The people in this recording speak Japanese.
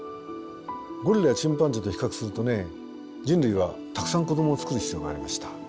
ゴリラやチンパンジーと比較するとね人類はたくさん子どもをつくる必要がありました。